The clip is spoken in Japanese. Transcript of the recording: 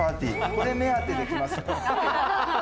これ目当てで、きますよ。